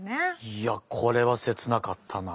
いやこれは切なかったな。